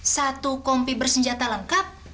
satu kompi bersenjata lengkap